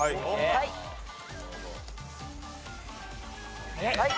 はい。